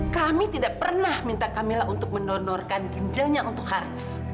kami tidak pernah minta kamila untuk mendonorkan ginjalnya untuk haris